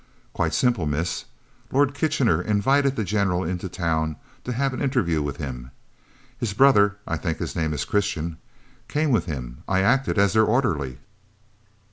"Quite simple, miss. Lord Kitchener invited the General into town to have an interview with him. His brother I think his name is Christian came with him. I acted as their orderly."